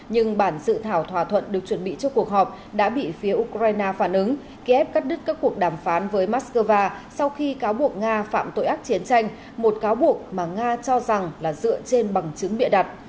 nhưng bản dự thảo thỏa thuận được chuẩn bị cho cuộc họp đã bị phía ukraine phản ứng kiev cắt đứt các cuộc đàm phán với moscow sau khi cáo buộc nga phạm tội ác chiến tranh một cáo buộc mà nga cho rằng là dựa trên bằng chứng bịa đặt